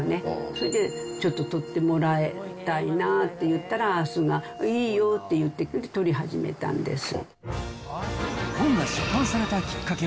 それで、ちょっと撮ってもらえたいなっていったら、あーすが、いいよって言ってくれて、撮り始めたんです。